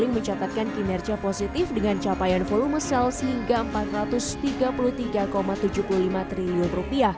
mencatatkan kinerja positif dengan capaian volume sales hingga rp empat ratus tiga puluh tiga tujuh puluh lima triliun